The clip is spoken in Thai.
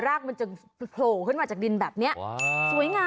รากมันจะโผล่ขึ้นมามาจากดินแบบเนี่ย